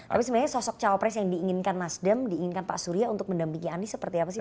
tapi sebenarnya sosok cawapres yang diinginkan nasdem diinginkan pak surya untuk mendampingi anies seperti apa sih